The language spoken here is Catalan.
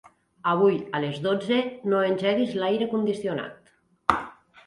Avui a les dotze no engeguis l'aire condicionat.